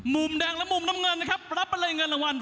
มุมแดงและมุมน้ำเงินนะครับรับไปเลยเงินรางวัล